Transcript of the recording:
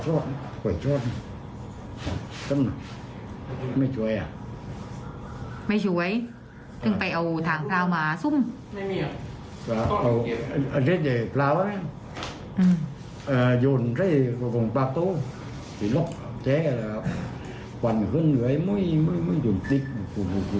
โอ้โหยพ่อเล็ก